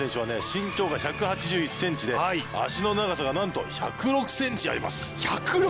身長が１８１ｃｍで脚の長さが何と１０６ｃｍあります１０６ｃｍ！